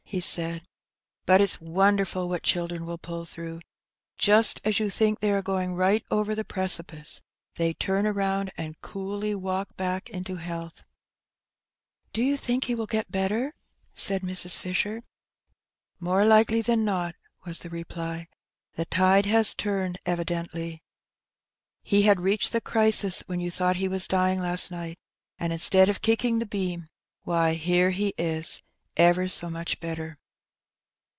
he said, but it's wonderful what children will pull through: just as you think they are going right over the precipice, they turn round, and coolly walk back into health." Do you think he will get better?" said Mrs. Fisher. More likely than not," was the reply; "the tide has turned, evidently. He had reached the crisis when you thought he was dying last night, and instead of kicking the beam, why, here he is ever so much better."